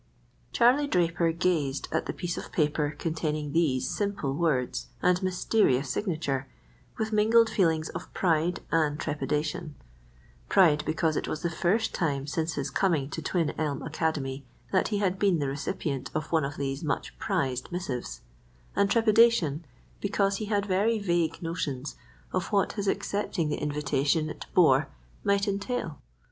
_" Charlie Draper gazed at the piece of paper containing these simple words and mysterious signature with mingled feelings of pride and trepidation—pride because it was the first time since his coming to Twin Elm Academy that he had been the recipient of one of these much prized missives, and trepidation because he had very vague notions of what his accepting the invitation it bore might entail.